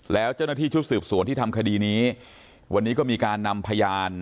แล้วเจ้าหน้าที่ชุดสืบสวนที่ทำคดีนี้วันนี้ก็มีการนำพยาน